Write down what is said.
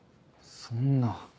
そんな。